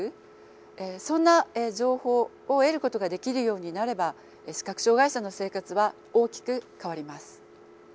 そんな情報を得ることができるようになれば視覚障害者の生活は大きく変わります。